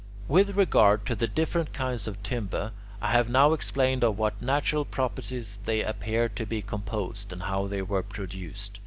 With regard to the different kinds of timber, I have now explained of what natural properties they appear to be composed, and how they were produced.